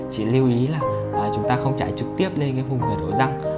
chỉ lưu ý là chúng ta không chảy trực tiếp lên cái vùng nổ răng